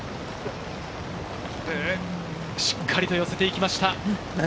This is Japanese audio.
しっかりと寄せていきました。